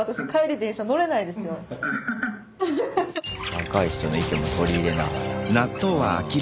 若い人の意見も取り入れながら。